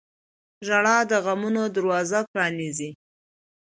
• ژړا د غمونو دروازه پرانیزي.